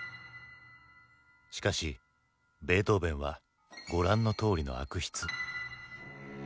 しかしベートーヴェンはご覧のとおりの悪筆。